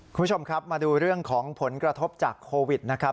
คุณผู้ชมครับมาดูเรื่องของผลกระทบจากโควิดนะครับ